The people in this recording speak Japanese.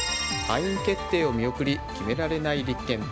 敗因決定を見送り決められない立憲。